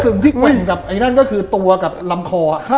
สิ่งที่กลิ่นกับไอ้นั่นก็คือตัวกับลำคอ